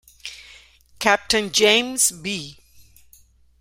Captain James B.